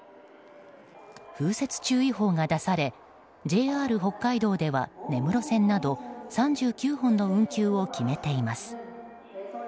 風雪注意報が出されＪＲ北海道では根室線など３９本の運休を決めています。